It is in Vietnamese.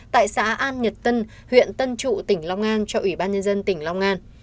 tại xã an nhật tân huyện tân trụ tỉnh long an cho ủy ban nhân dân tỉnh long an